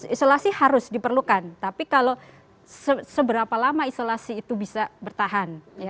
isolasi harus diperlukan tapi kalau seberapa lama isolasi itu bisa bertahan